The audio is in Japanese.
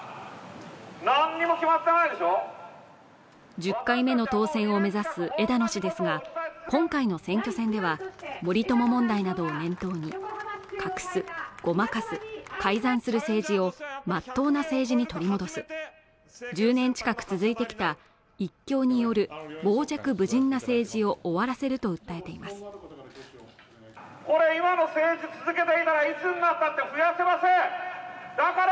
１０回目の当選を目指す枝野氏ですが今回の選挙戦では森友問題などを念頭に隠す、ごまかす、改ざんする政治をまっとうな政治に取り戻す１０年近く続いてきた１強による傍若無人な政治を終わらせると訴えていましたこと